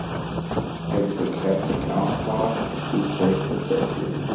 Its stochastic counterpart is a two-state trajectory.